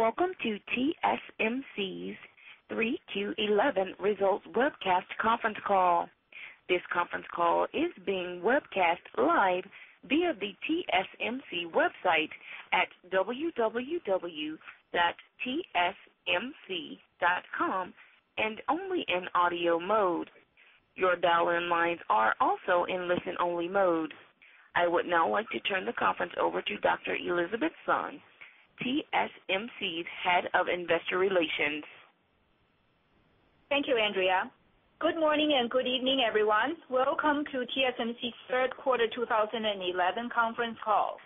Welcome to TSMC's 3Q11 Results Webcast Conference Call. This conference call is being webcast live via the TSMC website at www.tsmc.com and only in audio mode. Your dial-in lines are also in listen-only mode. I would now like to turn the conference over to Dr. Elizabeth Sun, TSMC's Head of Investor Relations. Thank you, Andrea. Good morning and good evening, everyone. Welcome to TSMC's Third Quarter 2011 Conference Call.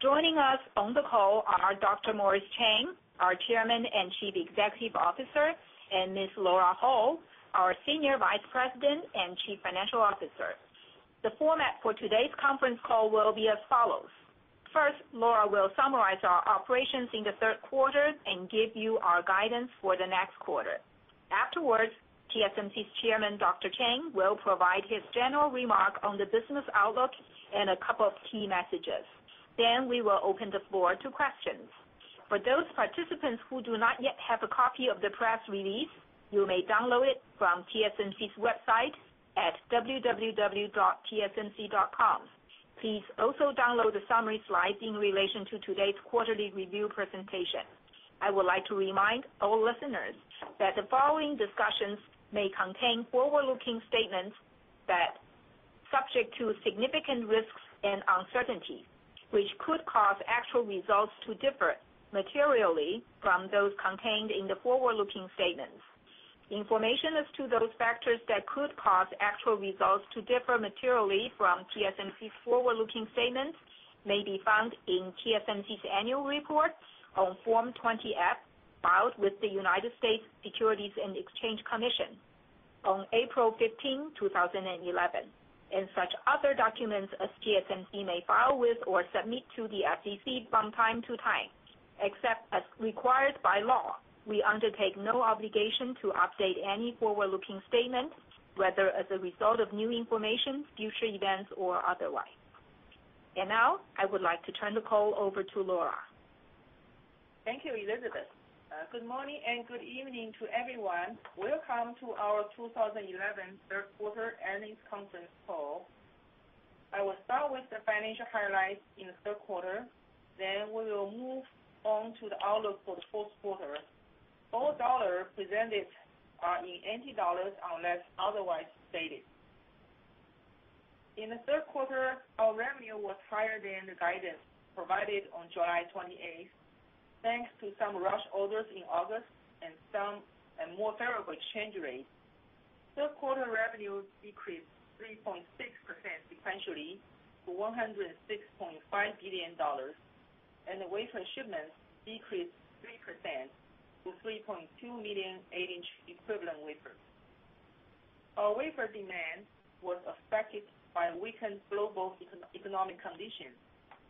Joining us on the call are Dr. Morris Chang, our Chairman and Chief Executive Officer, and Ms. Lora Ho, our Senior Vice President and Chief Financial Officer. The format for today's conference call will be as follows. First, Lora will summarize our operations in the third quarter and give you our guidance for the next quarter. Afterwards, TSMC's Chairman Dr. Chang will provide his general remark on the business outlook and a couple of key messages. We will open the floor to questions. For those participants who do not yet have a copy of the press release, you may download it from TSMC's website at www.tsmc.com. Please also download the summary slides in relation to today's quarterly review presentation. I would like to remind all listeners that the following discussions may contain forward-looking statements that are subject to significant risks and uncertainty, which could cause actual results to differ materially from those contained in the forward-looking statements. Information as to those factors that could cause actual results to differ materially from TSMC's forward-looking statements may be found in TSMC's annual report on Form 20-F filed with the United States Securities and Exchange Commission on April 15, 2011, and such other documents as TSMC may file with or submit to the SEC from time-to-time. Except as required by law, we undertake no obligation to update any forward-looking statements, whether as a result of new information, future events, or otherwise. I would like to turn the call over to Lora. Thank you, Elizabeth. Good morning and good evening to everyone. Welcome to our 2011 Third Quarter Earnings Conference Call. I will start with the financial highlights in the third quarter, then we will move on to the outlook for the fourth quarter. All dollars presented are in NT dollars unless otherwise stated. In the third quarter, our revenue was higher than the guidance provided on July 28, thanks to some rush orders in August and more favorable exchange rates. Third quarter revenue decreased 3.6% sequentially to $106.5 billion, and the wafer shipments decreased 3% to 3.2 million 8" equivalent wafers. Our wafer demand was affected by weakened global economic conditions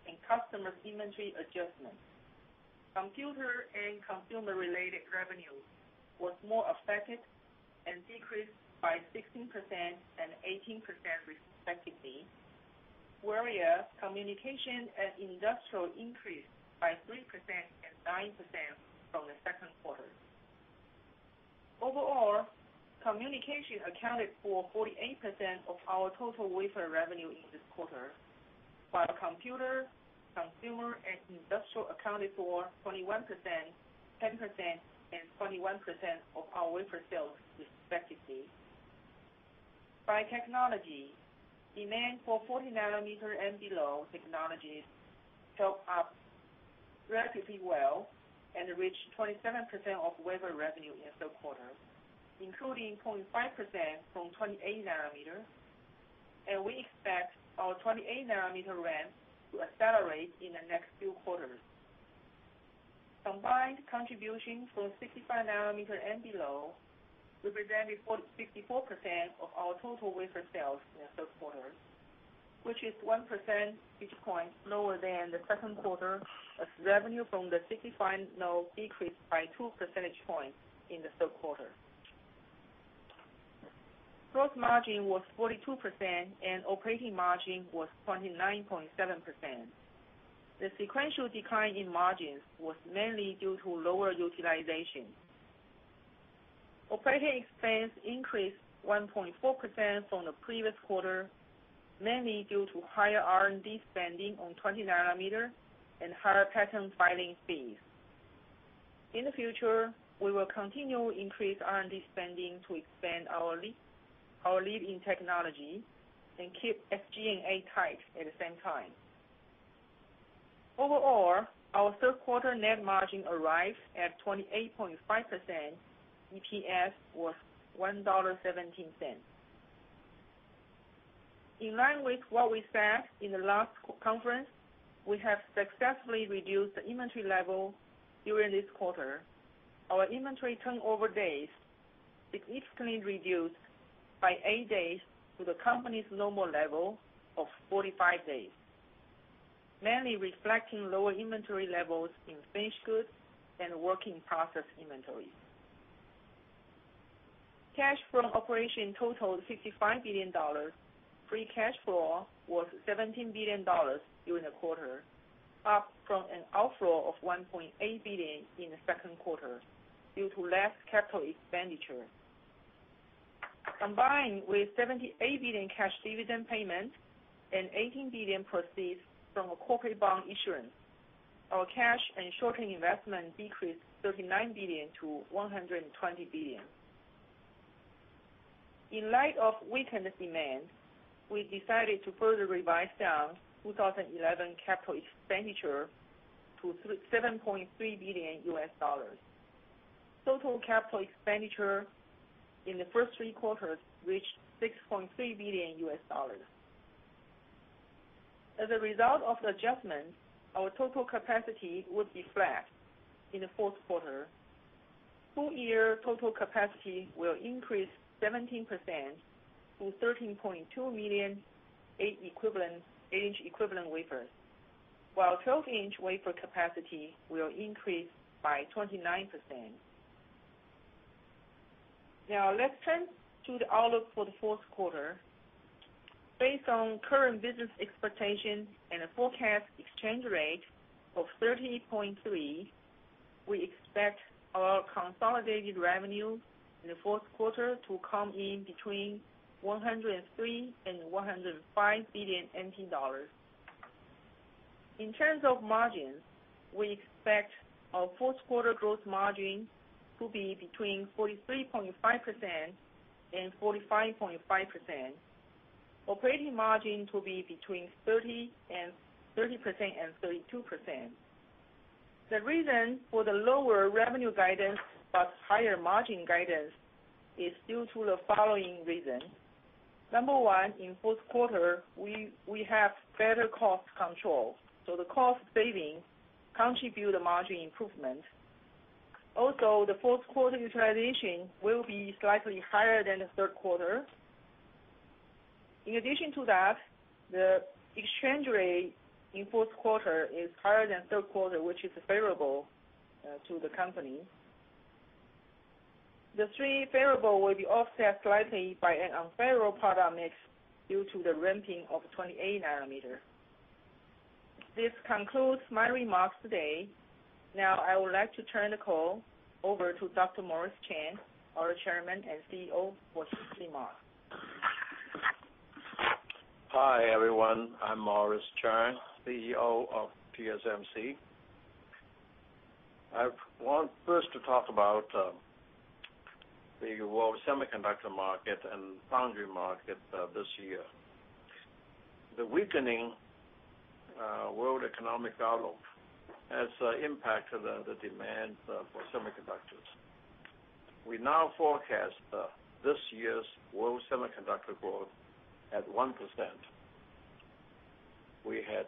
and customer inventory adjustments. Computer and consumer-related revenue was more affected and decreased by 16% and 18% respectively, whereas communication and industrial increased by 3% and 9% from the second quarter. Overall, communication accounted for 48% of our total wafer revenue in this quarter, while computer, consumer, and industrial accounted for 21%, 10%, and 21% of our wafer sales respectively. By technology, demand for 40 nm and below technologies held up relatively well and reached 27% of wafer revenue in the third quarter, including 0.5% from 28 nm, and we expect our 28 nm ramp to accelerate in the next few quarters. Combined contributions from 65 nmand below represented 64% of our total wafer sales in the third quarter, which is one percentage point lower than the second quarter as revenue from the 65 nm decreased by two percentage points in the third quarter. Gross margin was 42% and operating margin was 29.7%. The sequential decline in margins was mainly due to lower utilization. Operating expense increased 1.4% from the previous quarter, mainly due to higher R&D spending on 20 nm and higher patent filing fees. In the future, we will continue to increase R&D spending to expand our lead in technology and keep SG&A tight at the same time. Overall, our third quarter net margin arrived at 28.5%. EPS was $1.17. In line with what we said in the last conference, we have successfully reduced the inventory level during this quarter. Our inventory turnover days significantly reduced by eight days to the company's normal level of 45 days, mainly reflecting lower inventory levels in finished goods and work in process inventories. Cash flow from operations totaled $65 billion. Free cash flow was $17 billion during the quarter, up from an outflow of $1.8 billion in the second quarter due to less capital expenditure. Combined with a $78 billion cash dividend payment and $18 billion proceeds from a corporate bond issuance, our cash and short-term investment decreased $39 billion-$120 billion. In light of weakened demand, we decided to further revise down 2011 capital expenditure to $7.3 billion. Total capital expenditure in the first three quarters reached $6.3 billion. As a result of the adjustment, our total capacity would be flat in the fourth quarter. Full-year total capacity will increase 17% to $13.2 million 8" equivalent wafers, while 12" wafer capacity will increase by 29%. Now, let's turn to the outlook for the fourth quarter. Based on current business expectations and a forecast exchange rate of $30.3, we expect our consolidated revenue in the fourth quarter to come in between $103 billion and $105 billion. In terms of margins, we expect our fourth quarter gross margin to be between 43.5% and 45.5%. Operating margin to be between 30% and 32%. The reason for the lower revenue guidance but higher margin guidance is due to the following reasons. Number one, in the fourth quarter, we have better cost control, so the cost savings contribute to margin improvement. Also, the fourth quarter utilization will be slightly higher than the third quarter. In addition to that, the exchange rate in the fourth quarter is higher than the third quarter, which is favorable to the company. The three favorable will be offset slightly by an unfavorable product mix due to the ramping of 28 nm. This concludes my remarks today. Now, I would like to turn the call over to Dr. Morris Chang, our Chairman and CEO for TSMC. Hi, everyone. I'm Morris Chang, CEO of TSMC. I want first to talk about the world semiconductor market and foundry market this year. The weakening world economic outlook has impacted the demand for semiconductors. We now forecast this year's world semiconductor growth at 1%. We had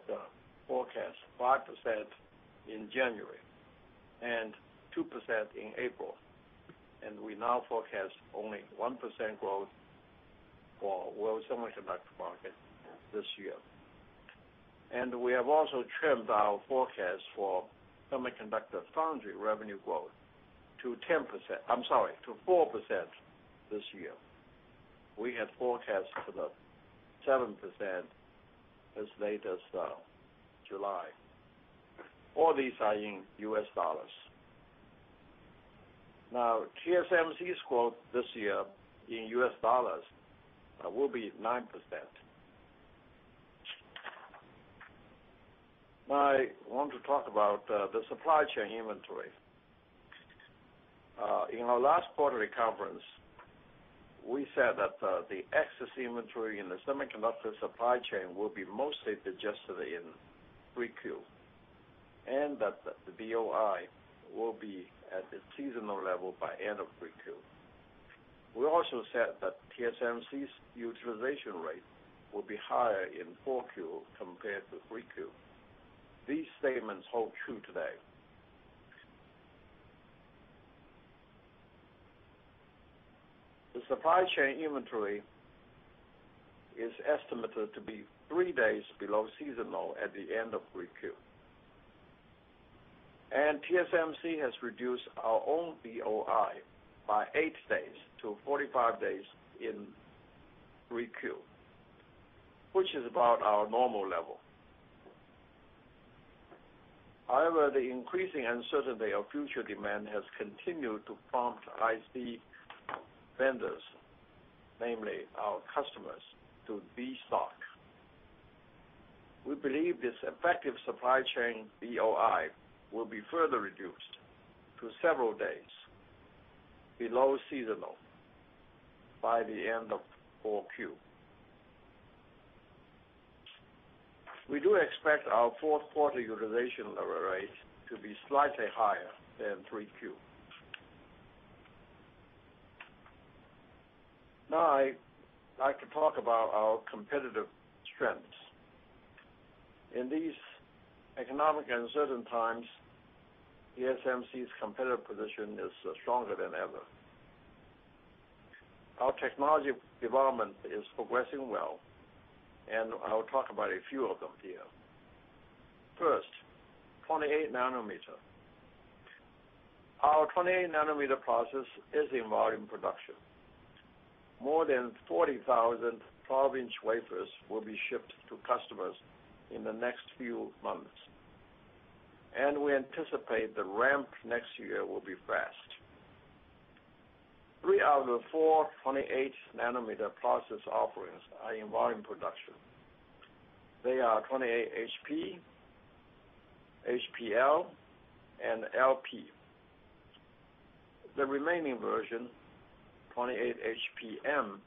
forecast 5% in January and 2% in April, and we now forecast only 1% growth for the world semiconductor market this year. We have also trimmed our forecast for semiconductor foundry revenue growth to 4% this year. We had forecast 7% as late as July. All these are in U.S. dollars. Now, TSMC's growth this year in U.S. dollars will be 9%. Now, I want to talk about the supply chain inventory. In our last quarterly conference, we said that the excess inventory in the semiconductor supply chain will be mostly digested in 3Q and that the BOI will be at the seasonal level by the end of 3Q. We also said that TSMC's utilization rate will be higher in 4Q compared to 3Q. These statements hold true today. The supply chain inventory is estimated to be three days below seasonal at the end of 3Q. TSMC has reduced our own BOI by 8 days to 45 days in 3Q, which is about our normal level. However, the increasing uncertainty of future demand has continued to prompt IC vendors, namely our customers, to de-stock. We believe this effective supply chain BOI will be further reduced to several days below seasonal by the end of 4Q. We do expect our fourth quarter utilization rate to be slightly higher than 3Q. Now, I'd like to talk about our competitive strengths. In these economically uncertain times, TSMC's competitive position is stronger than ever. Our technology development is progressing well, and I'll talk about a few of them here. First, 28 nm. Our 28 nmprocess is in volume production. More than 40,000 12" wafers will be shipped to customers in the next few months, and we anticipate the ramp next year will be fast. Three out of the four 28 nm process offerings are in volume production. They are 28HP, HPL, and LP. The remaining version, 28HPM,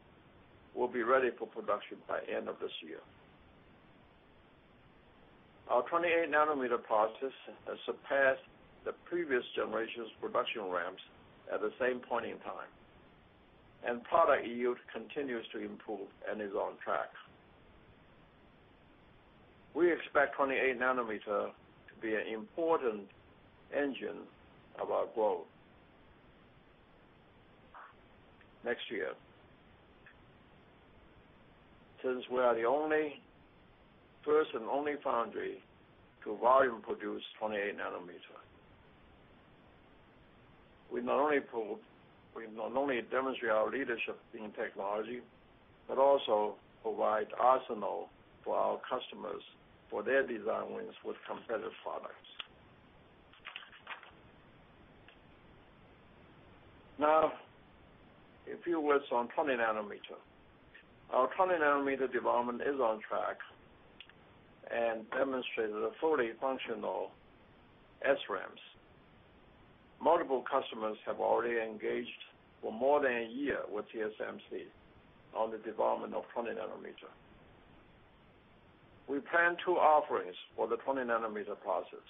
will be ready for production by the end of this year. Our 28 nm process has surpassed the previous generation's production ramps at the same point in time, and product yield continues to improve and is on track. We expect 28 nm to be an important engine of our growth next year since we are the first and only foundry to volume produce 28 nm. We not only demonstrate our leadership in technology but also provide arsenal for our customers for their design wins with competitive products. Now, a few words on 20 nm. Our 20 nm development is on track and demonstrates fully functional SRAMs. Multiple customers have already engaged for more than a year with TSMC on the development of 20 nm. We plan two offerings for the 20 nm process: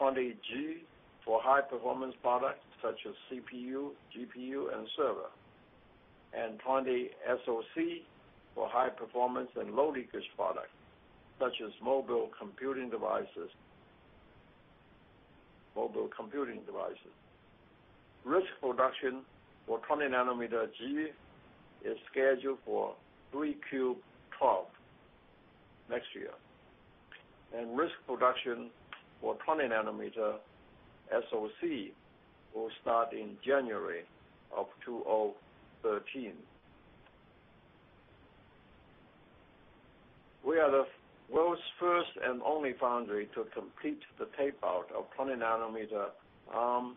20G for high-performance products such as CPU, GPU, and server, and 20SoC for high-performance and low-leakage products such as mobile computing devices. Risk production for 20 nm G is scheduled for 3Q 2012 next year, and risk production for 20 nm SoC will start in January of 2013. We are the world's first and only foundry to complete the tape-out of 20 nm ARM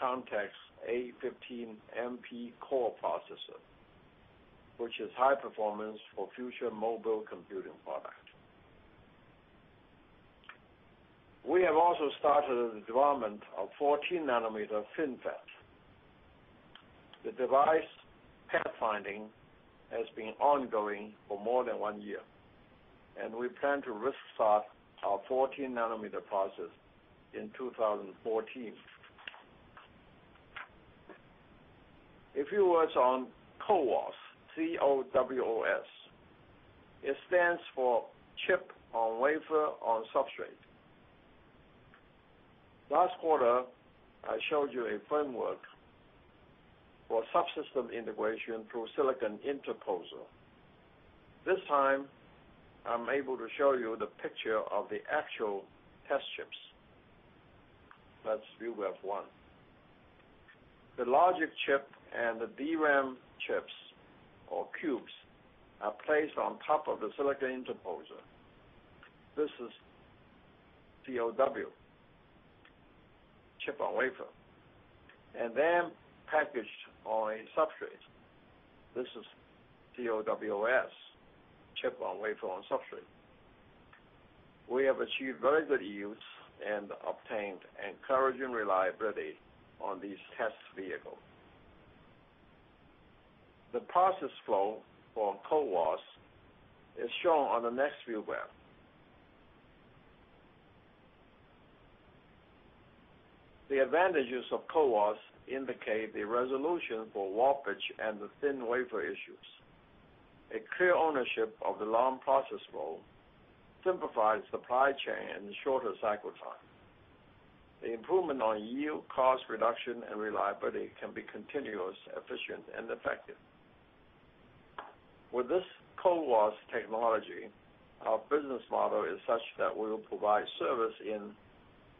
Cortex-A15 MPCore processor, which is high performance for future mobile computing products. We have also started the development of 14 nm FinFET. The device pathfinding has been ongoing for more than one year, and we plan to risk start our 14 nm process in 2014. A few words on CoWoS. CoWoS stands for Chip-on-Wafer-on-Substrate. Last quarter, I showed you a framework for subsystem integration through silicon interposer. This time, I'm able to show you the picture of the actual test chips. Let's view with one. The logic chip and the DRAM chips, or cubes, are placed on top of the silicon interposer. This is CoW, Chip-on-Wafer, and then packaged on a substrate. This is CoWoS, Chip-on-Wafer-on substrate. We have achieved very good use and obtained encouraging reliability on these test vehicles. The process flow for CoWoS is shown on the next view graph. The advantages of CoWoS indicate the resolution for warpage and the thin wafer issues. A clear ownership of the long process flow simplifies supply chain and shorter cycle time. The improvement on yield, cost reduction, and reliability can be continuous, efficient, and effective. With this CoWoS technology, our business model is such that we will provide service in,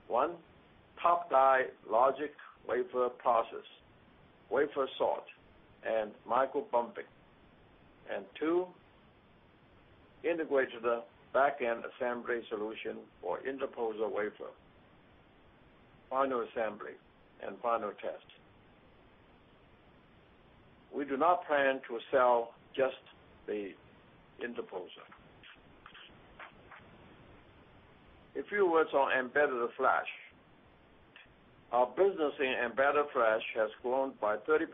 one, top-die logic wafer process, wafer sort, and microbumping, and, two, integrated back-end assembly solution for interposer wafer, final assembly, and final test. We do not plan to sell just the interposer. A few words on embedded flash. Our business in embedded flash has grown by 30%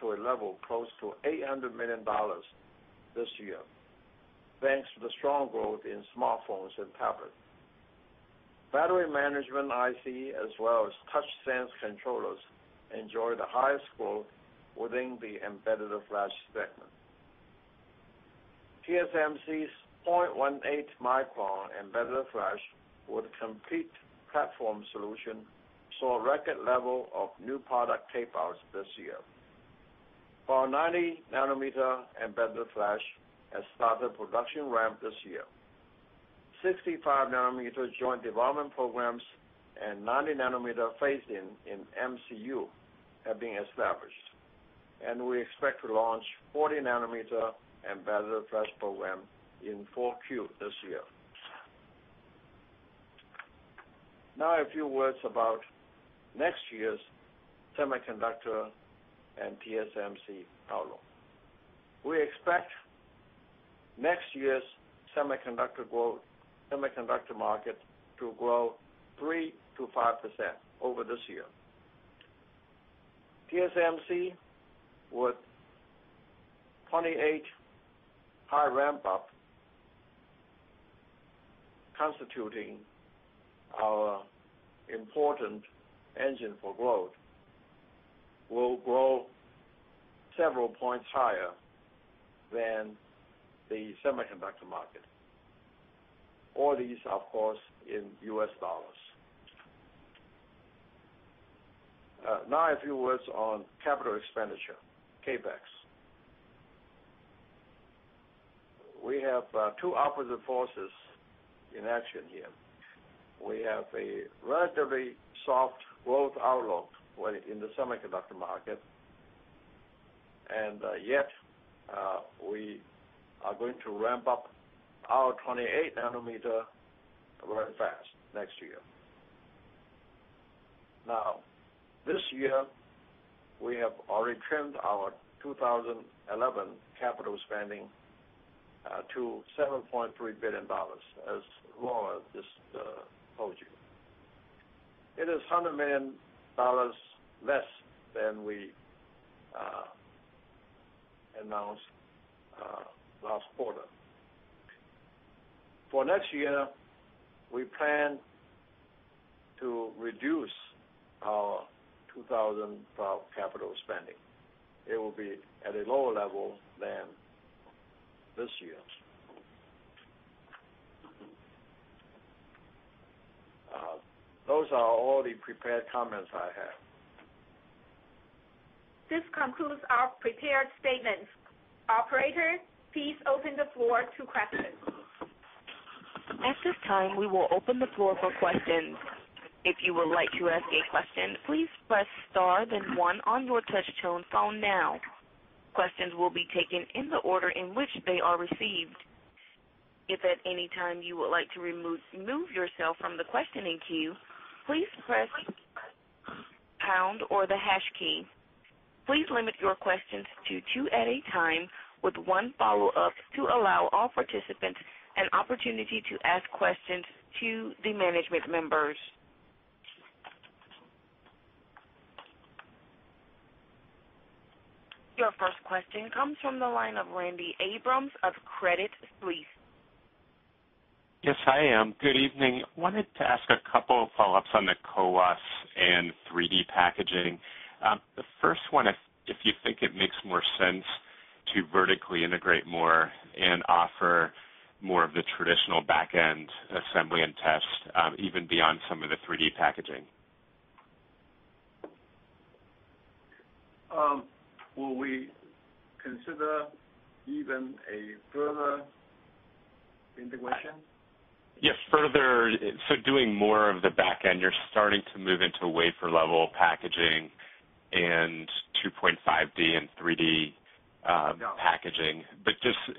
to a level close to $800 million this year, thanks to the strong growth in smartphones and tablets. Battery management IC, as well as touch sense controllers, enjoy the highest growth within the embedded flash segment. TSMC's 0.18 μm embedded flash with a complete platform solution saw a record level of new product tape-outs this year. Our 90 nm embedded flash has started production ramp this year. Sixty five nanometer joint development programs and 90 nm phased-in in MCU have been established, and we expect to launch 40 nm embedded flash program in 4Q this year. Now, a few words about next year's semiconductor and TSMC outlook. We expect next year's semiconductor growth, semiconductor market to grow 3%-5% over this year. TSMC, with 28 high ramp-up constituting our important engine for growth, will grow several points higher than the semiconductor market. All these, of course, in U.S. dollars. Now, a few words on capital expenditure, CapEx. We have two opposite forces in action here. We have a relatively soft growth outlook in the semiconductor market, and yet, we are going to ramp up our 28 nm very fast next year. Now, this year, we have already trimmed our 2011 capital spending to $7.3 billion, as Lora just told you. It is $100 million less than we announced last quarter. For next year, we plan to reduce our 2012 capital spending. It will be at a lower level than this year. Those are all the prepared comments I have. This concludes our prepared statements. Operator, please open the floor to questions. At this time, we will open the floor for questions. If you would like to ask a question, please press star then one on your touch-tone phone now. Questions will be taken in the order in which they are received. If at any time you would like to remove yourself from the questioning queue, please press pound or the hash key. Please limit your questions to two at a time with one follow-up to allow all participants an opportunity to ask questions to the management members. Your first question comes from the line of Randy Abrams of Credit Suisse. Yes, hi, good evening. I wanted to ask a couple of follow-ups on the CoWoS and 3D packaging. The first one is if you think it makes more sense to vertically integrate more and offer more of the traditional back-end assembly and test, even beyond some of the 3D packaging. Will we consider even a further integration? Yes, further. Doing more of the back-end, you're starting to move into wafer-level packaging and 2.5D and 3D packaging.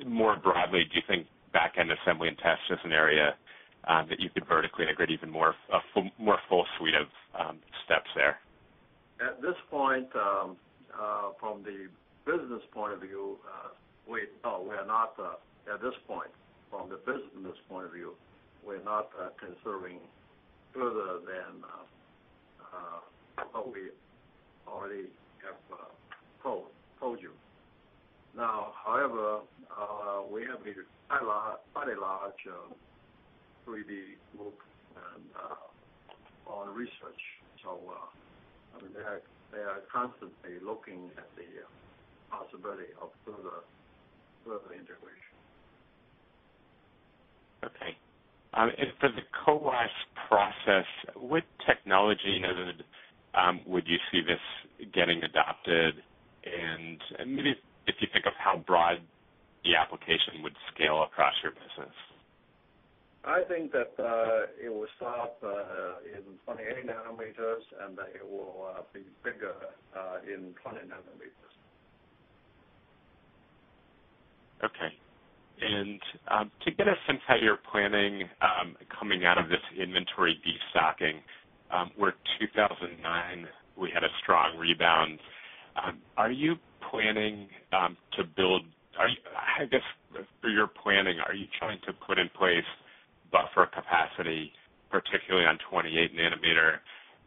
More broadly, do you think back-end assembly and test is an area that you could vertically integrate, even more of a more full suite of steps there? At this point, from the business point of view, we're not considering further than what we already have told you. However, we have quite a large 3D group for our research, which are constantly looking at the possibility of further integration. Okay, for the CoWoS process, what technology would you see this getting adopted? Maybe if you think of how broad the application would scale across your business. I think that it will start in 28 nm and that it will be bigger in 20 nm. To get a sense of how you're planning, coming out of this inventory de-stocking, where 2009, we had a strong rebound, are you planning to build, are you, I guess, for your planning, are you trying to put in place buffer capacity, particularly on 28 nm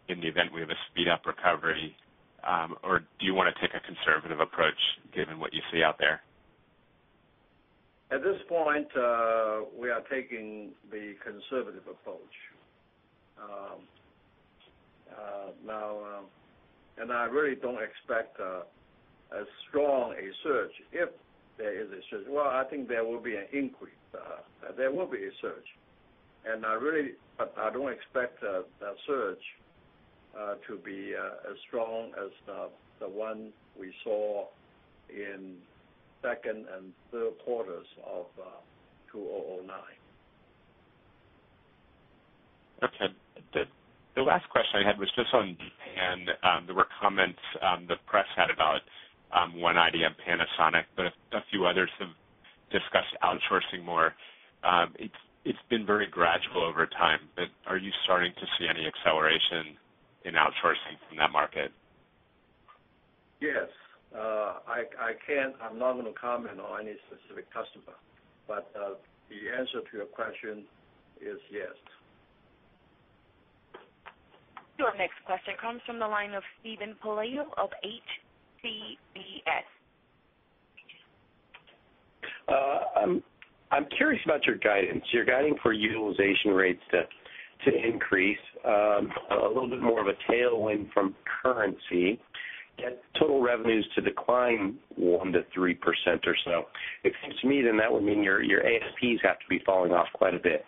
in the event we have a speed-up recovery? Do you want to take a conservative approach given what you see out there? At this point, we are taking the conservative approach now, and I really don't expect as strong a surge if there is a surge. I think there will be an increase, there will be a surge, but I don't expect a surge to be as strong as the one we saw in the second and third quarters of 2009. Okay. The last question I had was just on, there were comments the press had about one IDM, Panasonic, but a few others have discussed outsourcing more. It's been very gradual over time, but are you starting to see any acceleration in outsourcing from that market? Yes. I'm not going to comment on any specific customer, but the answer to your question is yes. Your next question comes from the line of Steven Pelayo from HSBC. I'm curious about your guidance. You're guiding for utilization rates to increase, a little bit more of a tailwind from currency, yet total revenues to decline 1%-3% or so. If it's me, then that would mean your ASPs have to be falling off quite a bit.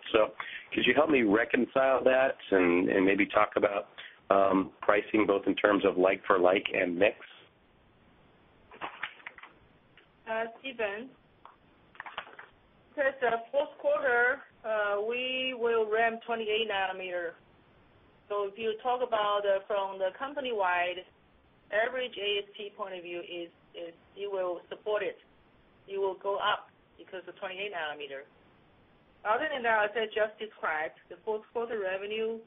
Could you help me reconcile that and maybe talk about pricing both in terms of like-for-like and mix? Steven, because the fourth quarter, we will ramp 28 nm. If you talk about from the company-wide, the average ASP point of view is you will support it. You will go up because of 28 nm. Other than that, as I just described, the fourth quarter revenue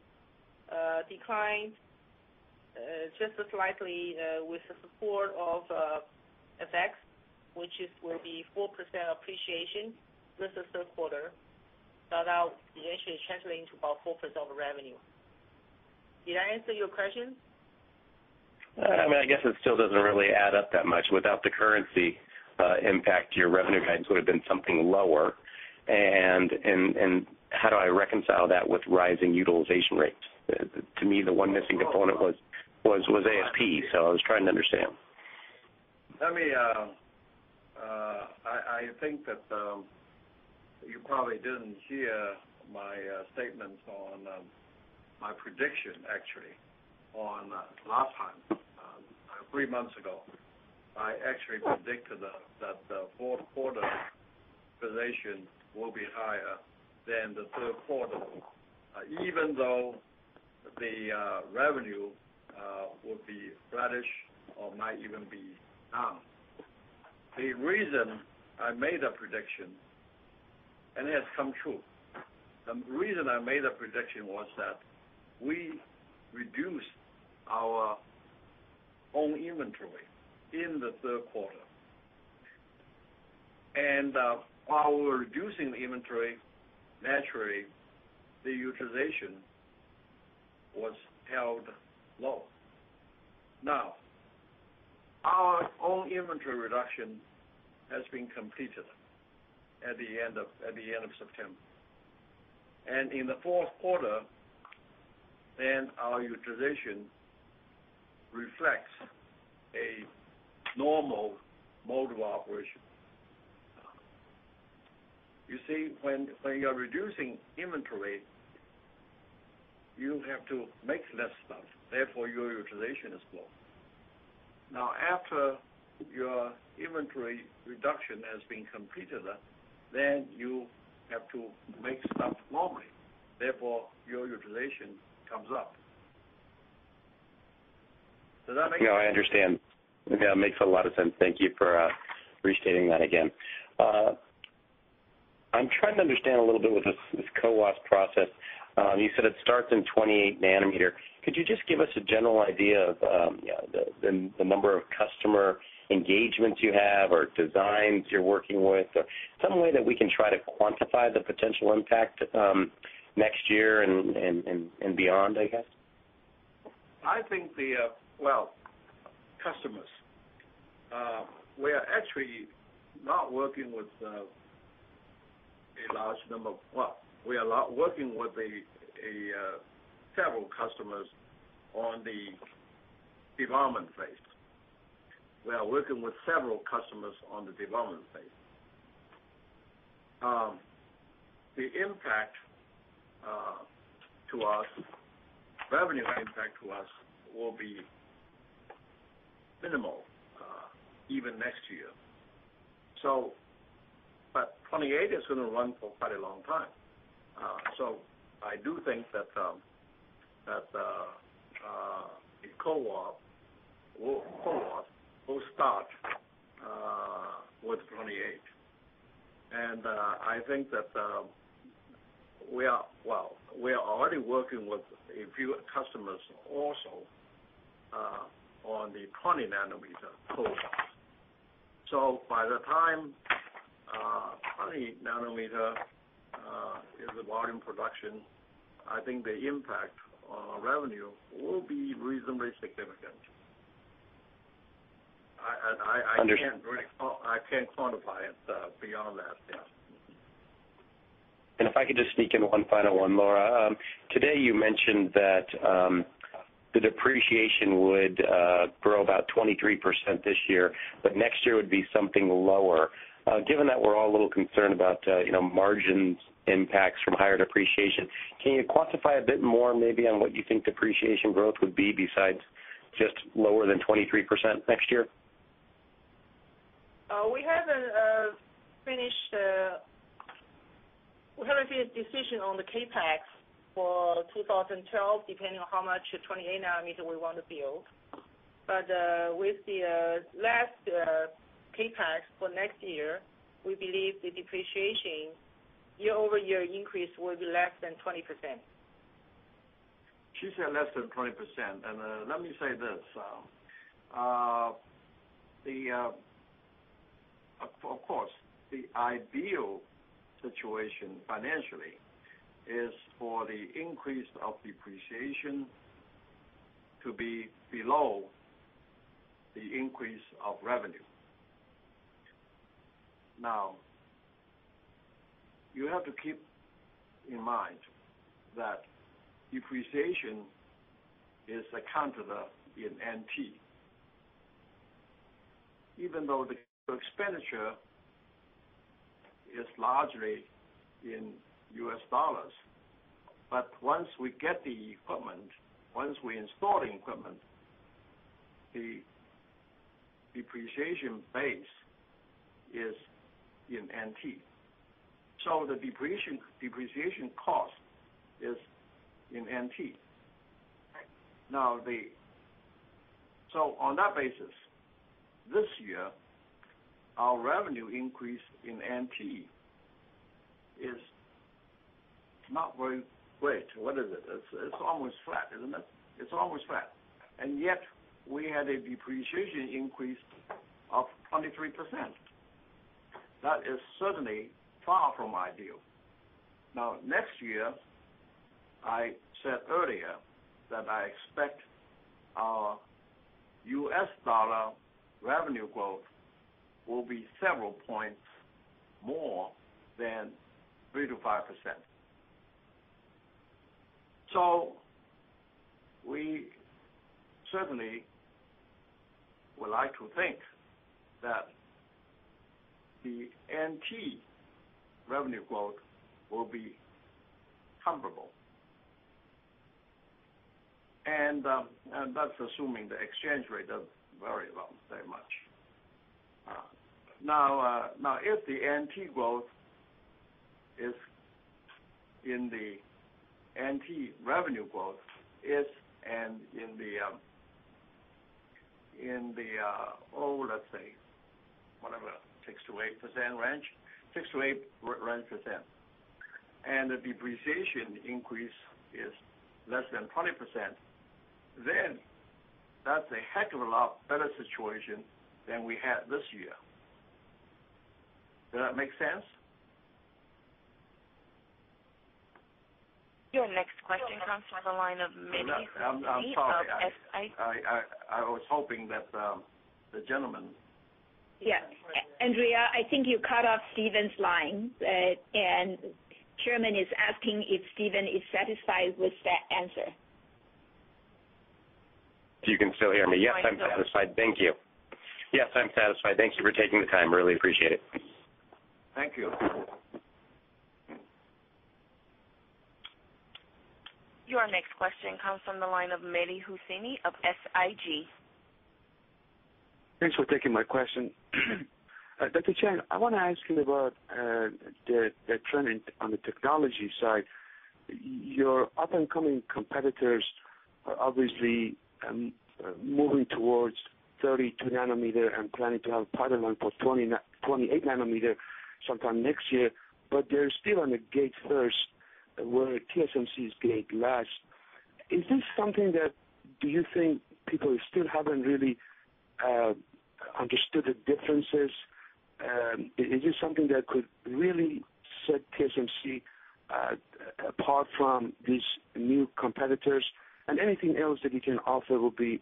declined just slightly with the support of FX, which will be 4% appreciation. This is the third quarter. Now, the ASP is actually channeling to about 4% of revenue. Did I answer your question? I mean, I guess it still doesn't really add up that much. Without the currency impact, your revenue guidance would have been something lower. How do I reconcile that with rising utilization rates? To me, the one missing component was ASP. I was trying to understand. I think that you probably didn't hear my statements on my prediction, actually, three months ago. I actually predicted that the fourth quarter position will be higher than the third quarter, even though the revenue will be flattish or might even be down. The reason I made a prediction, and it has come true, was that we reduced our own inventory in the third quarter. While we're reducing the inventory, naturally, the utilization was held low. Our own inventory reduction has been completed at the end of September. In the fourth quarter, our utilization reflects a normal mode of operation. You see, when you're reducing inventory, you have to make less stuff. Therefore, your utilization is low. After your inventory reduction has been completed, you have to make stuff normally. Therefore, your utilization comes up. Does that make sense? Yeah, I understand. It makes a lot of sense. Thank you for restating that again. I'm trying to understand a little bit with this CoWoS process. You said it starts in 28 nm. Could you just give us a general idea of the number of customer engagements you have or designs you're working with, or some way that we can try to quantify the potential impact next year and beyond, I guess? I think the customers, we are actually not working with a large number. We are working with several customers on the development phase. The impact to us, revenue impact to us, will be minimal, even next year. Twenty eight nanometer is going to run for quite a long time. I do think that the CoWoS will start with 28 nm. I think that we are already working with a few customers also on the 20 nm co-founders. By the time 20 nm is the volume production, I think the impact on our revenue will be reasonably significant. Understood. I can't quantify it beyond that. Yeah. If I could just speak in one final one, Lora. Today you mentioned that the depreciation would grow about 23% this year, but next year would be something lower. Given that we're all a little concerned about, you know, margins impacts from higher depreciation, can you quantify a bit more maybe on what you think depreciation growth would be besides just lower than 23% next year? We haven't finished, we haven't made a decision on the CapEx for 2012, depending on how much 28 nm we want to build. With the last CapEx for next year, we believe the depreciation year-over-year increase will be less than 20%. She said less than 20%. Let me say this. Of course, the ideal situation financially is for the increase of depreciation to be below the increase of revenue. You have to keep in mind that depreciation is a counter in NT, even though the expenditure is largely in U.S. dollars. Once we get the equipment, once we install the equipment, the depreciation base is in NT, so the depreciation cost is in NT. On that basis, this year, our revenue increase in NT is not very great. What is it? It's almost flat, isn't it? It's almost flat. Yet, we had a depreciation increase of 23%. That is certainly far from ideal. Next year, I said earlier that I expect our U.S. dollar revenue growth will be several points more than 3%-5%. We certainly would like to think that the NT revenue growth will be comparable, and that's assuming the exchange rate doesn't vary very much. If the NT revenue growth is in the, oh, let's say, whatever, 6%-8% range, and the depreciation increase is less than 20%, then that's a heck of a lot better situation than we had this year. Does that make sense? Your next question comes from the line of I'm sorry, I was hoping that the gentleman. Andrea, I think you cut off Steven's line. Chairman is asking if Steven is satisfied with that answer. If you can still hear me, yes, I'm satisfied. Thank you. Yes, I'm satisfied. Thank you for taking the time. I really appreciate it. Thank you. Your next question comes from the line of Mehdi Hosseini of SIG. Thanks for taking my question. Dr. Chang, I want to ask you about the trend on the technology side. Your up-and-coming competitors are obviously moving towards 32 nm and planning to have a product line for 28 nm sometime next year, but they're still on the gate-first where TSMC is gate-last. Is this something that you think people still haven't really understood the differences? Is this something that could really set TSMC apart from these new competitors? Anything else that you can offer would be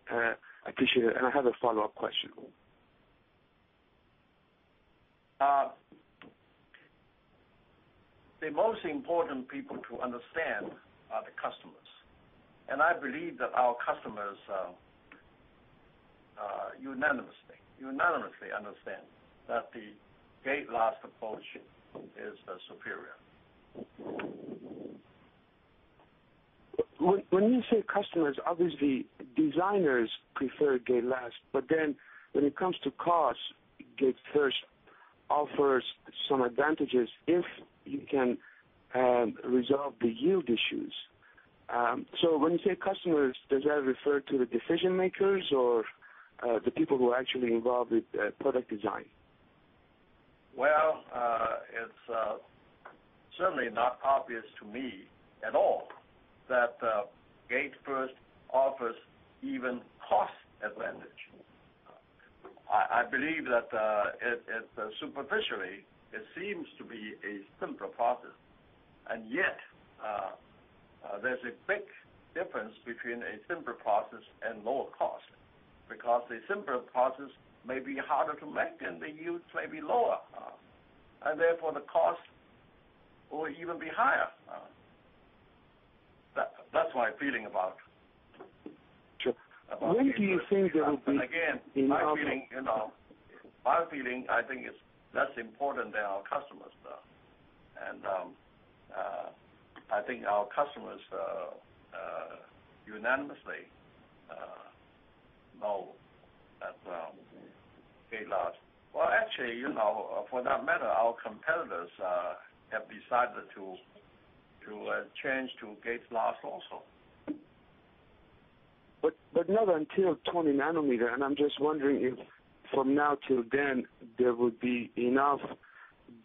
appreciated. I have a follow-up question. The most important people to understand are the customers. I believe that our customers unanimously understand that the gate-last approach is superior. When you say customers, obviously designers prefer gate-last. When it comes to cost, gate-first offers some advantages if you can resolve the yield issues. When you say customers, does that refer to the decision-makers or the people who are actually involved with product design? It is certainly not obvious to me at all that gate-first offers even cost advantage. I believe that superficially, it seems to be a simpler process, yet there is a big difference between a simpler process and lower cost because the simpler process may be harder to make and the yields may be lower, and therefore, the cost will even be higher. That's my feeling about it. When do you think there will be? Again, in my feeling, I think it's less important than our customers now. I think our customers unanimously know that gate last. Actually, you know, for that matter, our competitors have decided to change to gate last also. Not until 20 nm. I'm just wondering if from now till then, there would be enough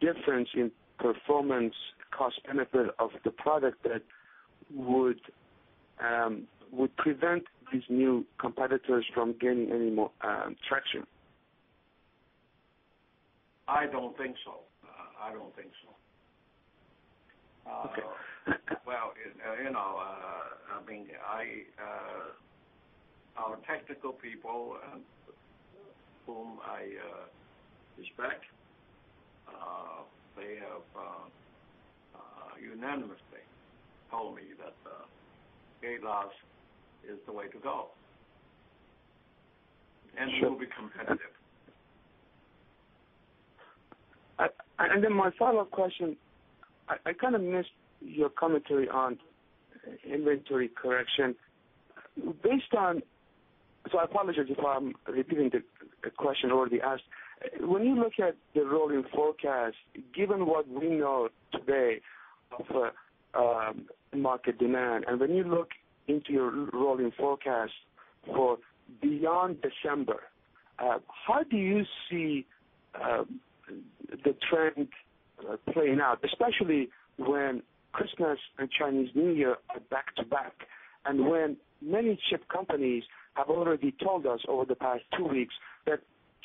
difference in performance, cost-benefit of the product that would prevent these new competitors from gaining any more traction. I don't think so. I don't think so. Our technical people, whom I respect, have unanimously told me that gate-last is the way to go, and it will be competitive. My follow-up question, I kind of missed your commentary on inventory correction. I apologize if I'm repeating the question I already asked. When you look at the rolling forecast, given what we know today of the market demand, and when you look into your rolling forecast for beyond December, how do you see the trend playing out, especially when Christmas and Chinese New Year are back-to-back? Many chip companies have already told us over the past two weeks that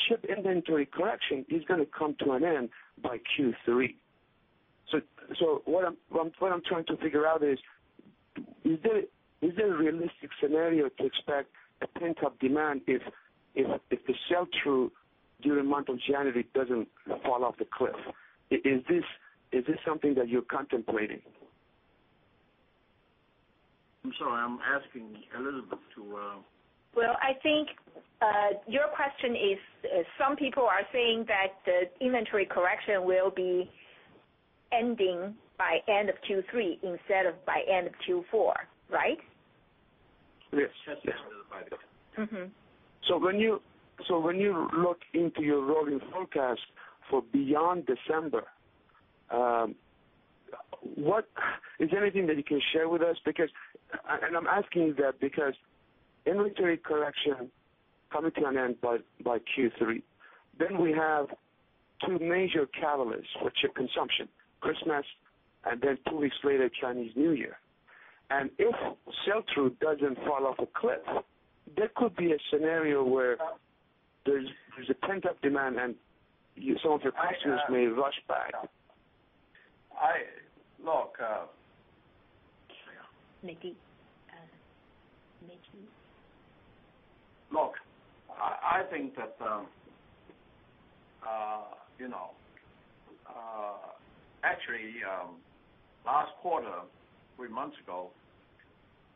chip inventory correction is going to come to an end by Q3. What I'm trying to figure out is, is there a realistic scenario to expect a pent-up demand if the sell-through during the month of January doesn't fall off the cliff? Is this something that you're contemplating? I'm sorry. I'm asking Elizabeth to. I think your question is some people are saying that the inventory correction will be ending by the end of Q3 instead of by the end of Q4, right? Yes, by the end. When you look into your rolling forecast for beyond December, is there anything that you can share with us? I'm asking that because inventory correction is coming to an end by Q3. We have two major catalysts for chip consumption: Christmas and then two weeks later, Chinese New Year. If sell-through doesn't fall off a cliff, there could be a scenario where there's a pent-up demand and some of your customers may rush back. I think that, you know, actually, last quarter, three months ago,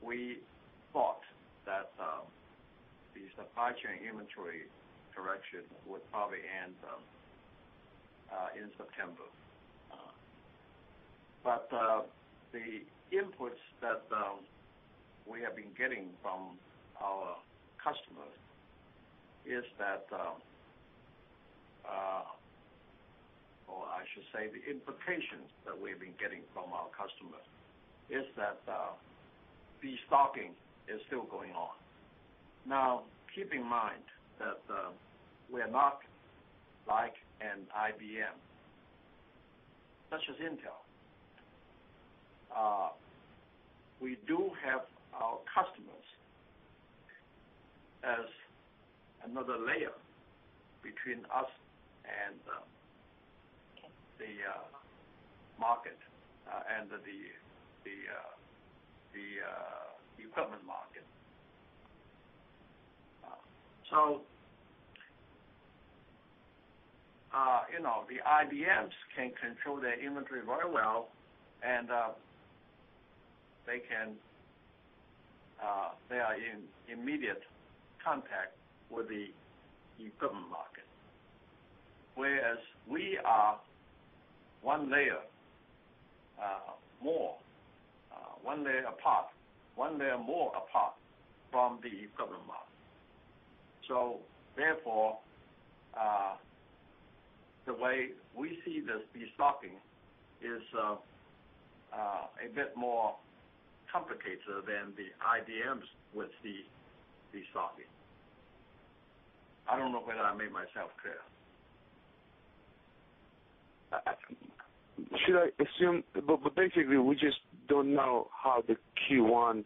we thought that the supply chain inventory correction would probably end in September. The inputs that we have been getting from our customers, or I should say the implications that we have been getting from our customers, is that the stocking is still going on. Keep in mind that we are not like an IBM such as Intel. We do have our customers as another layer between us and the market and the equipment market. The IBMs can control their inventory very well, and they are in immediate contact with the equipment market. We are one layer more, one layer apart, one layer more apart from the equipment market. Therefore, the way we see this restocking is a bit more complicated than the IBMs with the restocking. I don't know whether I made myself clear. Should I assume we just don't know how the Q1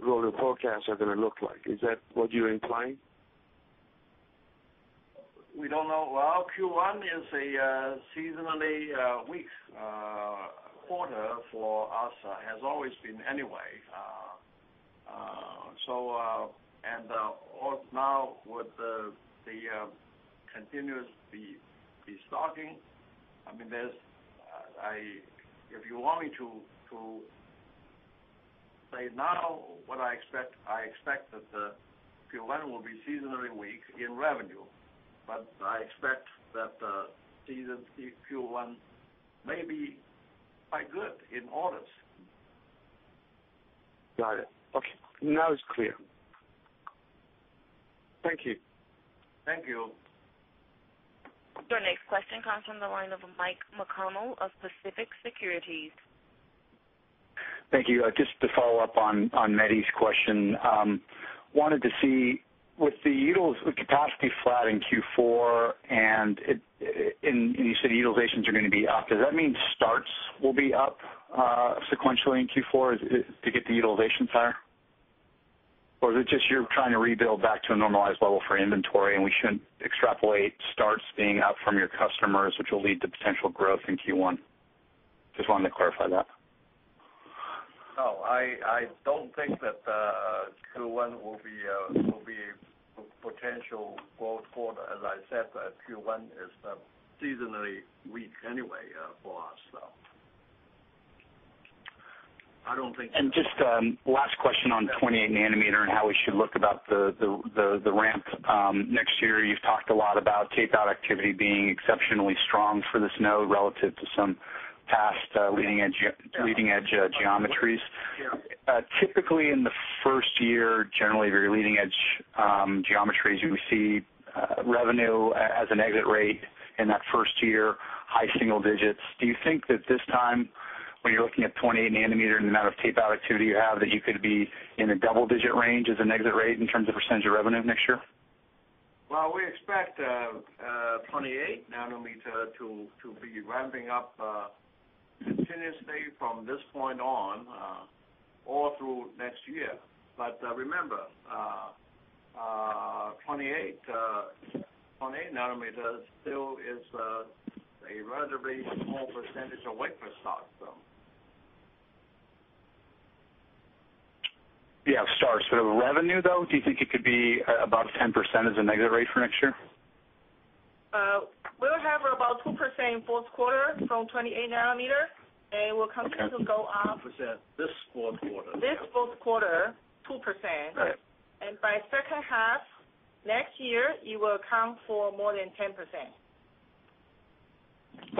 rolling forecasts are going to look like? Is that what you're implying? Q1 is a seasonally weak quarter for us. It has always been anyway. Now, with the continuous restocking, if you want me to say now what I expect, I expect that Q1 will be seasonally weak in revenue, but I expect that the season Q1 may be quite good in orders. Got it. Okay, now it's clear. Thank you. Thank you. Your next question comes from the line of Mike McConnell of Pacific Securities. Thank you. I just want to follow up on Mehdi's question. I wanted to see, with the capacity flat in Q4, and you said utilizations are going to be up. Does that mean starts will be up sequentially in Q4 to get the utilizations higher? Or is it just you're trying to rebuild back to a normalized level for inventory and we shouldn't extrapolate starts being up from your customers, which will lead to potential growth in Q1? Just wanted to clarify that. Oh, I don't think that Q1 will be a potential growth quarter. As I said, Q1 is seasonally weak anyway for us. I don't think so. Just the last question on 28 nm and how we should look about the ramp next year. You've talked a lot about tape-out activity being exceptionally strong for this node relative to some past leading-edge geometries. Typically, in the first year, generally, if you're leading-edge geometries, you see revenue as an exit rate in that first year, high single digits. Do you think that this time, when you're looking at 28 nm and the amount of tape-out activity you have, that you could be in a double-digit range as an exit rate in terms of percentage of revenue next year? We expect 28 nm to be ramping up continuously from this point on all through next year. Remember, 28 nm still is a relatively small percentage of wafer size. For the revenue, though, do you think it could be about 10% as an exit rate for next year? We'll have about 2% in the fourth quarter from 28 nm, and we'll continue to go up. 2% this fourth quarter. This fourth quarter, 2%. By the second half next year, it will come for more than 10%.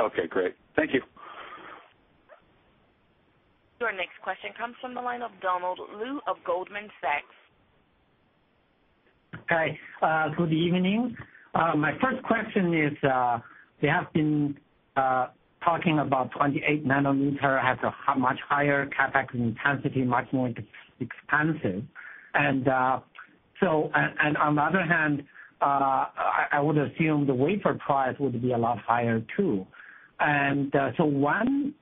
Okay. Great. Thank you. Your next question comes from the line of Donald Lu of Goldman Sachs. Hi. Good evening. My first question is, we have been talking about 28 nm has a much higher CapEx intensity, much more expensive. I would assume the wafer price would be a lot higher too. When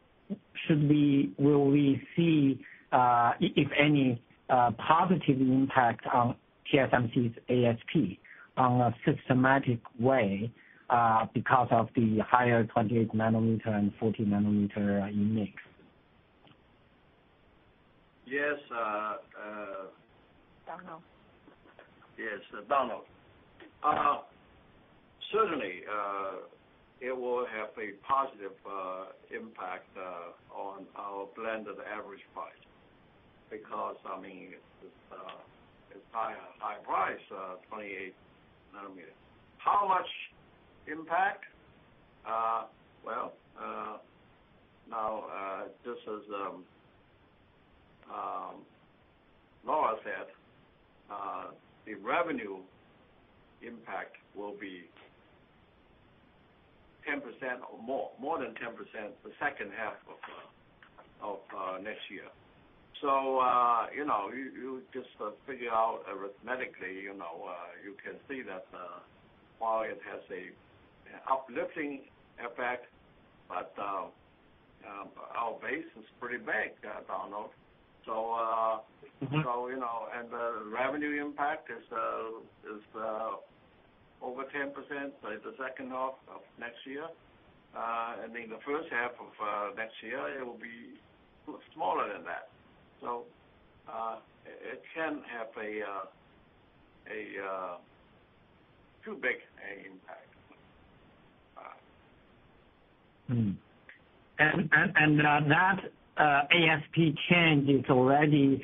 should we, will we see, if any, positive impact on TSMC's ASP on a systematic way because of the higher 28 nm and 40 nm in mix? Yes. Donald. Yes, Donald. Certainly, it will have a positive impact on our blended average price because, I mean, it's a higher price, 28 nm. How much impact? Just as Lora said, the revenue impact will be 10% or more, more than 10% the second half of next year. You know, you just figure out arithmetically, you can see that while it has an uplifting effect, our base is pretty big, Donald. The revenue impact is over 10% by the second half of next year. In the first half of next year, it will be smaller than that. It can't have too big an impact. Is that ASP change already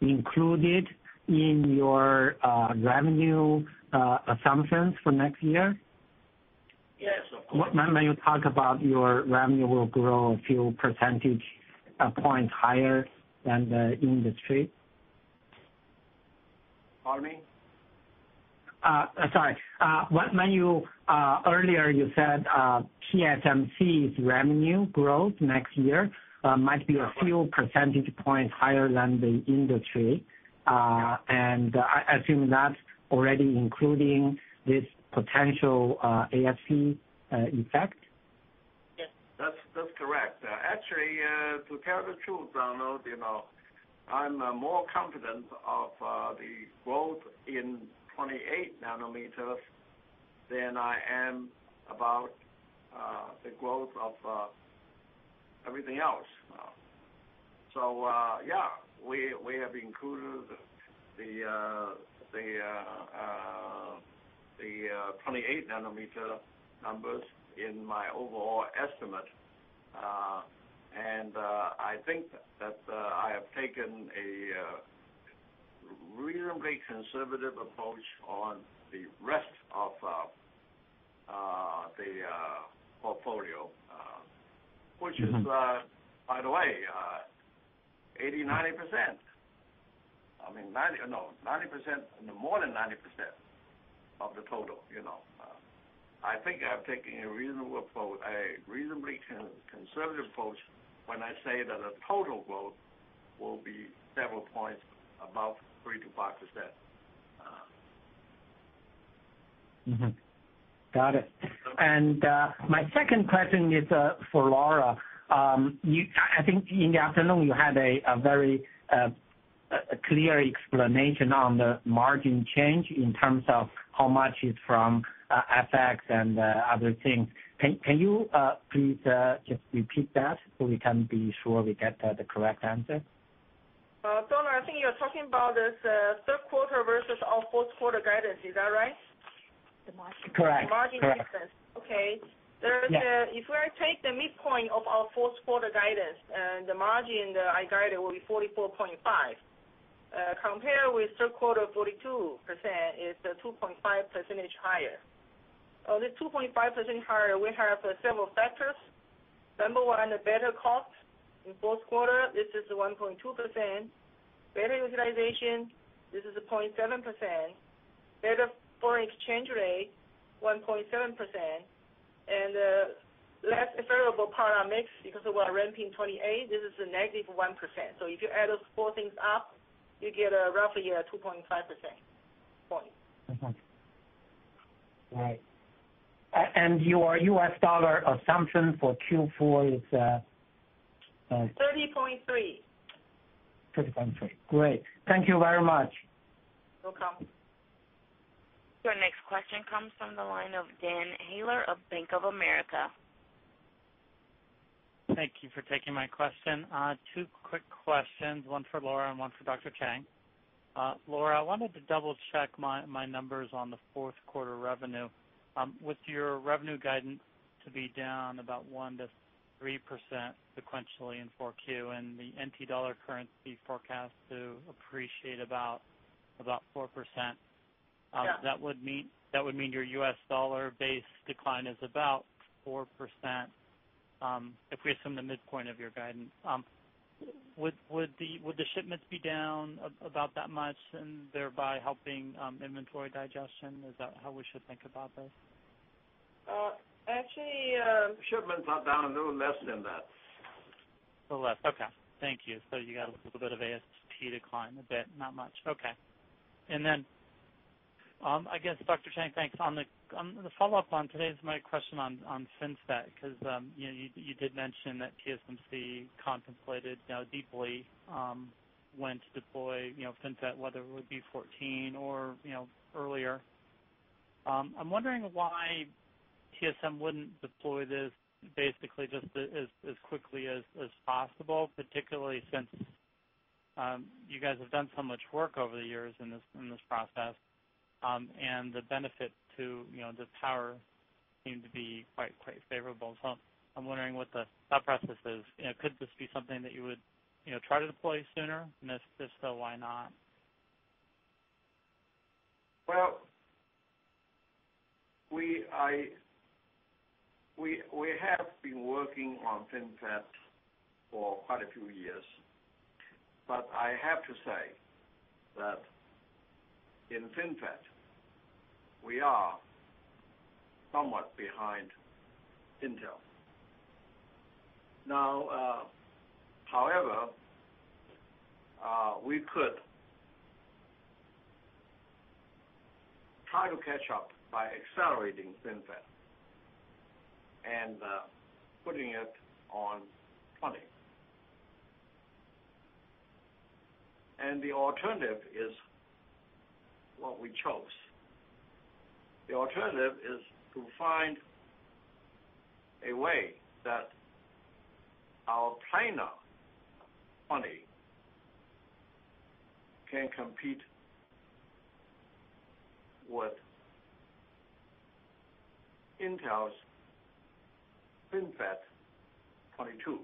included in your revenue assumptions for next year? Yes, of course. When you talk about your revenue will grow a few percentage points higher than the industry? Pardon me? Sorry. When you earlier said TSMC's revenue growth next year might be a few percentage points higher than the industry, I assume that's already including this potential ASP effect? Yes, that's correct. Actually, to tell the truth, Donald, you know I'm more confident of the growth in 28 nm than I am about the growth of everything else. We have included the 28 nm numbers in my overall estimate. I think that I have taken a reasonably conservative approach on the rest of the portfolio, which is, by the way, 80%, 90%, no, 90%, more than 90% of the total. I think I've taken a reasonably conservative approach when I say that the total growth will be several points above 3%-5%. Got it. My second question is for Lora. I think in the afternoon, you had a very clear explanation on the margin change in terms of how much is from FX and other things. Can you please just repeat that so we can be sure we get the correct answer? Donald, I think you're talking about this third quarter versus our fourth quarter guidance. Is that right? Correct. The margin difference. Okay. If I take the midpoint of our fourth quarter guidance, and the margin I guided will be 44.5%. Compared with third quarter, 42%, it is 2.5% higher. On this 2.5% higher, we have several factors. Number one, the better cost in fourth quarter. This is 1.2%. Better utilization, this is 0.7%. Better foreign exchange rate, 1.7%. The less favorable part of our mix because we're ramping 28 nm, this is a -1%. If you add those four things up, you get roughly a 2.5% point. Right. Your U.S. dollar assumption for Q4 is? $30.3. $30.3. Great. Thank you very much. You're welcome. Your next question comes from the line of Dan Heyler of Bank of America. Thank you for taking my question. Two quick questions, one for Lora and one for Dr. Chang. Lora, I wanted to double-check my numbers on the fourth quarter revenue. With your revenue guidance to be down about 1%-3% sequentially in 4Q and the NT dollar currency forecast to appreciate about 4%. That would mean your U.S. dollar base decline is about 4% if we assume the midpoint of your guidance. Would the shipments be down about that much and thereby helping inventory digestion? Is that how we should think about this? Shipments are down a little less than that. A little less. Okay. Thank you. You got a little bit of ASP decline a bit, not much. Okay. I guess, Dr. Chang, thanks on the follow-up on today's my question on FinFET because you know, you did mention that TSMC contemplated now deeply when to deploy FinFET, whether it would be '14 nm or, you know, earlier. I'm wondering why TSMC wouldn't deploy this basically just as quickly as possible, particularly since you guys have done so much work over the years in this process. The benefits to, you know, the power seem to be quite, quite favorable. I'm wondering what the thought process is. Could this be something that you would, you know, try to deploy sooner? If so, why not? We have been working on FinFET for quite a few years. I have to say that in FinFET, we are somewhat behind Intel. However, we could try to catch up by accelerating FinFET and putting it on 20 nm. The alternative is what we chose. The alternative is to find a way that our planar 20 nm can compete with Intel's FinFET 22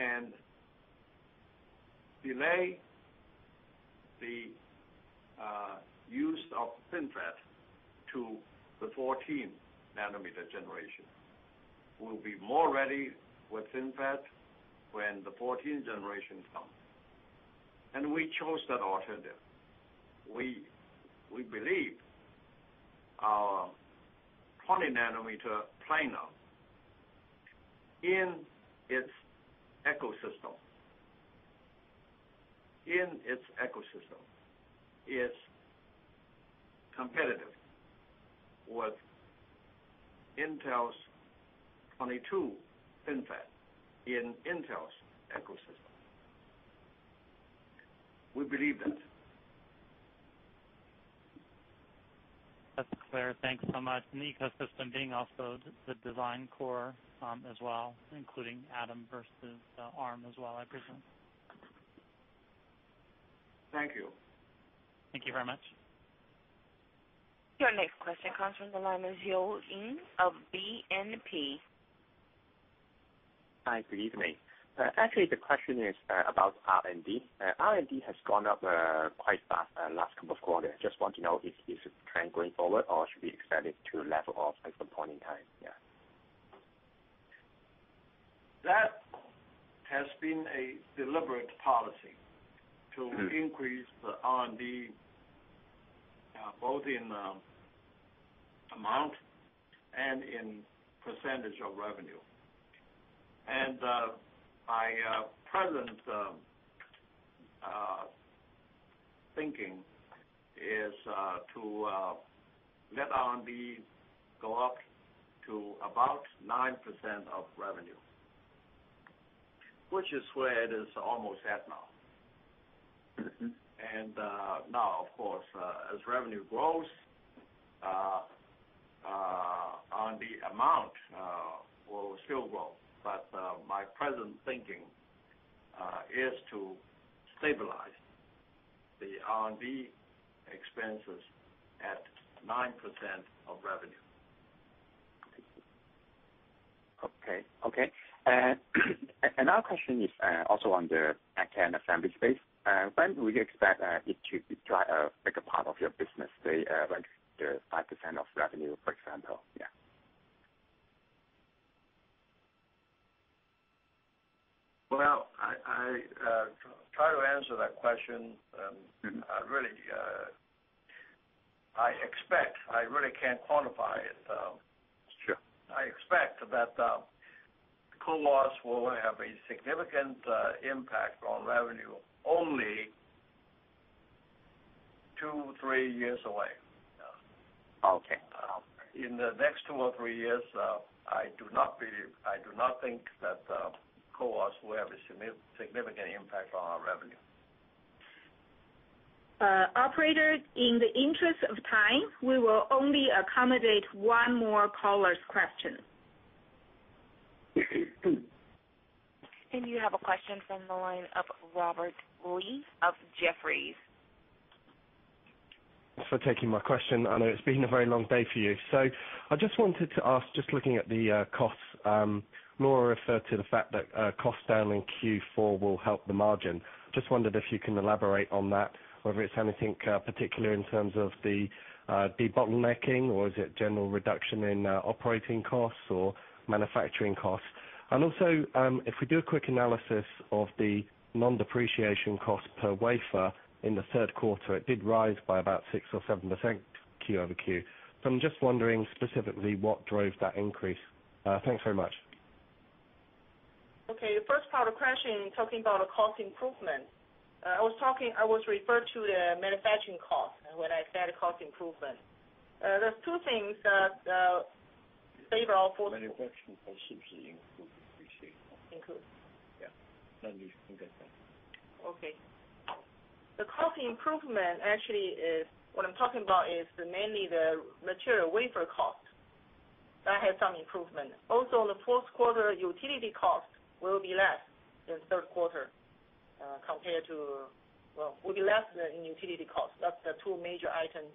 nm, and delay the use of FinFET to the 14 nm generation. We will be more ready with FinFET when the 14 nm generation comes. We chose that alternative. We believe our 20 nm planar in its ecosystem is competitive with Intel's 22 nm FinFET in Intel's ecosystem. We believe that. That's clear. Thanks so much. Because this has been being also the design core as well, including ARM versus the ARM as well, I presume. Thank you. Thank you very much. Your next question comes from the line of Zhou Ying of BNP. Hi. Good evening. Actually, the question is about R&D. R&D has gone up quite fast in the last couple of quarters. I just want to know if it's a trend going forward or should we expect it to level off at some point in time. Yeah. That has been a deliberate policy to increase the R&D both in amount and in percentage of revenue. My present thinking is to let R&D go up to about 9% of revenue, which is where it is almost at now. Of course, as revenue grows, the amount will still grow. My present thinking is to stabilize the R&D expenses at 9% of revenue. Okay. Our question is also on the back-end assembly space. When do we expect it to drive a bigger part of your business, say, like the 5% of revenue, for example? Yeah. I try to answer that question. I really can't quantify it. I expect that CoWoS will have a significant impact on revenue only two, three years away. In the next two or three years, I do not believe, I do not think that CoWoS will have a significant impact on our revenue. Operator, in the interest of time, we will only accommodate one more caller's question. You have a question from the line of Robert Lee of Jefferies. Thanks for taking my question, and it's been a very long day for you. I just wanted to ask, just looking at the costs, Lora referred to the fact that costs down in Q4 will help the margin. I just wondered if you can elaborate on that, whether it's anything particular in terms of the de-bottlenecking, or is it general reduction in operating costs or manufacturing costs? Also, if we do a quick analysis of the non-depreciation cost per wafer in the third quarter, it did rise by about 6% or 7% Q-over-Q. I'm just wondering specifically what drove that increase. Thanks very much. Okay. The first part of the question, talking about the cost improvement, I was talking, I was referring to the manufacturing cost when I said cost improvement. There are two things that favor our for. Manufacturing costs improve. Improve. Yeah, no, you can go ahead. Okay. The cost improvement actually is what I'm talking about is mainly the material wafer cost. That has some improvement. Also, in the fourth quarter, utility cost will be less in the third quarter compared to, will be less than in utility cost. That's the two major items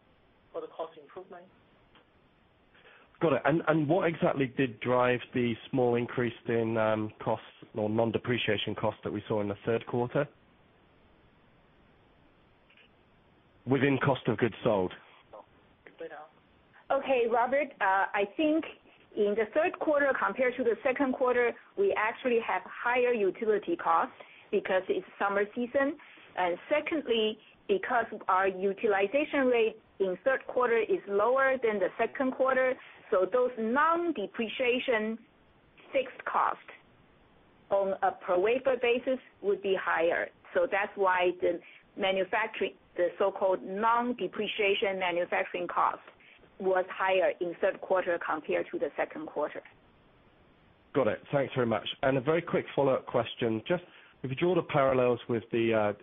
for the cost improvement. Got it. What exactly did drive the small increase in costs or non-depreciation costs that we saw in the third quarter within cost of goods sold? Okay, Robert. I think in the third quarter compared to the second quarter, we actually have higher utility costs because it's summer season. Secondly, because our utilization rate in the third quarter is lower than the second quarter, those non-depreciation fixed costs on a per-wafer basis would be higher. That's why the manufacturing, the so-called non-depreciation manufacturing cost was higher in the third quarter compared to the second quarter. Got it. Thanks very much. A very quick follow-up question. If you draw the parallels with the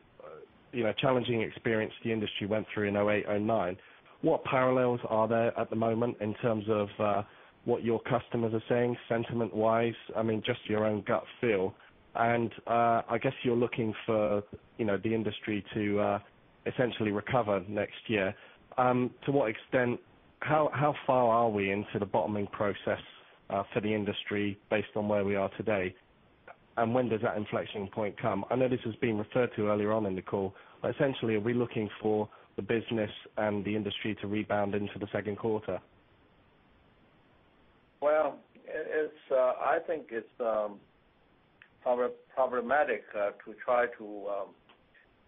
challenging experience the industry went through in 2008, 2009, what parallels are there at the moment in terms of what your customers are saying sentiment-wise? I mean, just your own gut feel. I guess you're looking for the industry to essentially recover next year. To what extent, how far are we into the bottoming process for the industry based on where we are today? When does that inflection point come? I know this has been referred to earlier on in the call, but essentially, are we looking for the business and the industry to rebound into the second quarter? I think it's problematic to try to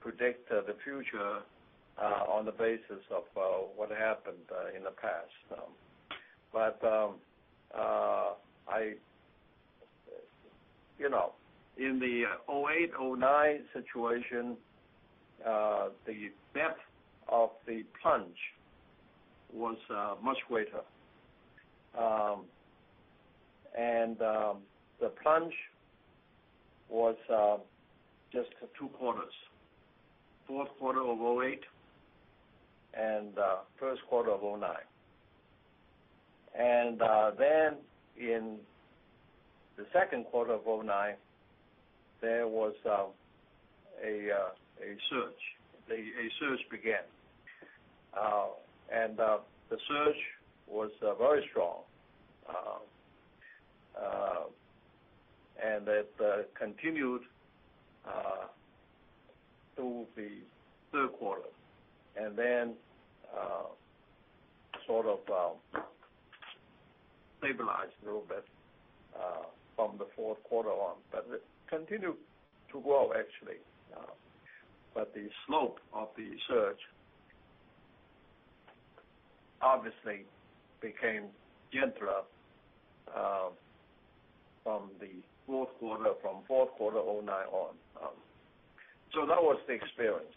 predict the future on the basis of what happened in the past. You know, in the 2008, 2009 situation, the depth of the plunge was much greater. The plunge was just two quarters: fourth quarter of 2008 and first quarter of 2009. In the second quarter of 2009, there was a surge. A surge began and the surge was very strong. It continued through the third quarter and then sort of stabilized a little bit from the fourth quarter on. It continued to grow, actually, but the slope of the surge obviously became gentler from the fourth quarter of 2009 on. That was the experience.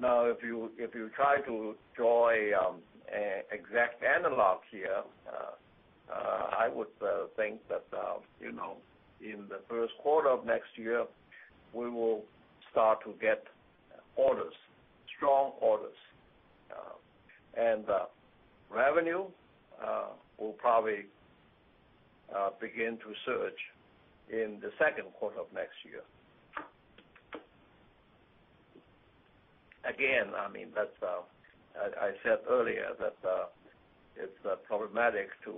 Now, if you try to draw an exact analog here, I would think that in the first quarter of next year, we will start to get orders, strong orders, and revenue will probably begin to surge in the second quarter of next year. Again, I said earlier that it's not problematic to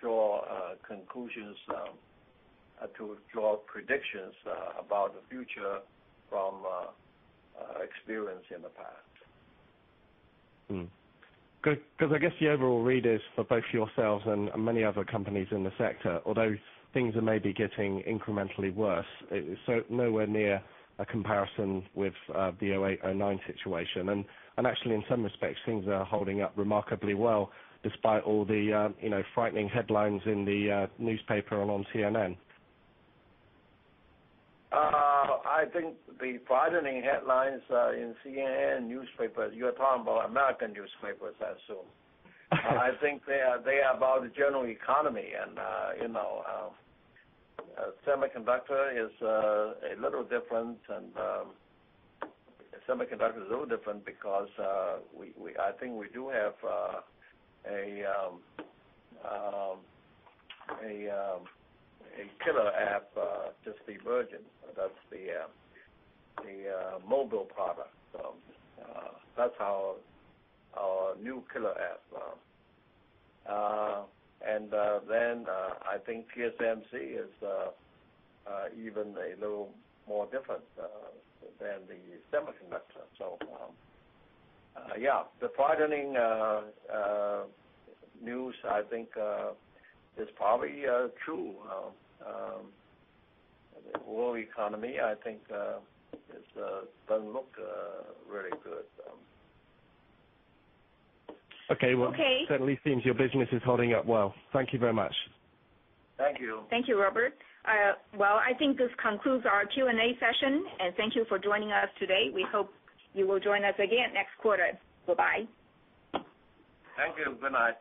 draw conclusions, to draw predictions about the future from experience in the past. I guess the overall read is for both yourselves and many other companies in the sector, although things are maybe getting incrementally worse. It's nowhere near a comparison with the 2008, 2009 situation. In some respects, things are holding up remarkably well despite all the frightening headlines in the newspaper along CNN. I think the frightening headlines in CNN newspapers, you're talking about American newspapers, I assume. I think they are about the general economy. You know, semiconductor is a little different, and semiconductor is a little different because I think we do have a killer app, just the merging. That's the mobile part of it. That's our new killer app, and I think TSMC is even a little more different than the semiconductor, so yeah. The threatening news, I think, is probably true. The world economy, I think, doesn't look very good. Okay. Okay. That at least seems your business is holding up well. Thank you very much. Thank you. Thank you, Robert. I think this concludes our Q&A session, and thank you for joining us today. We hope you will join us again next quarter. Bye-bye. Thank you. Good night.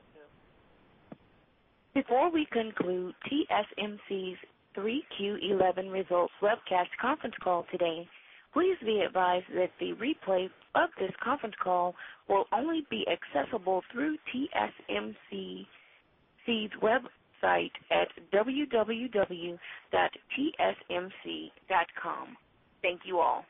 Before we conclude TSMC's 3Q11 results webcast conference call today, please be advised that the replay of this conference call will only be accessible through TSMC's website at www.tsmc.com. Thank you all.